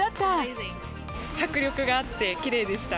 迫力があってきれいでした。